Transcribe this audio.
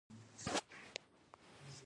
د جبل السراج سمنټ مشهور دي